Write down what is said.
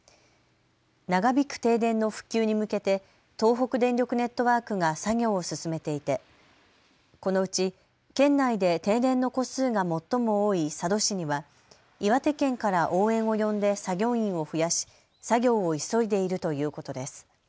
長引く停電の復旧に向けて東北電力ネットワークが作業を進めていてこのうち県内で停電の戸数が最も多い佐渡市には岩手県から応援を呼んで作業員を増やし作業を急いでいるということです。